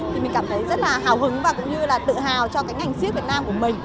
thì mình cảm thấy rất là hào hứng và cũng như là tự hào cho cái ngành siếc việt nam của mình